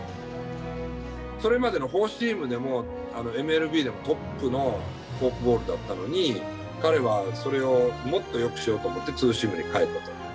それまでのフォーシームでも、ＭＬＢでもトップのフォークボールだったのに、彼はそれをもっとよくしようと思って、ツーシームに変えたと。